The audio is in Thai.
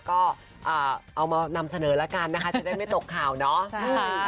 ก็เอามานำเสนอแล้วกันนะคะจะได้ไม่ตกข่าวเนาะ